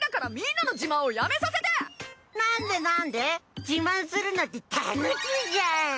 なんでなんで自慢するのって楽しいじゃん。